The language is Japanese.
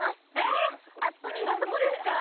ええ⁉あそこですか？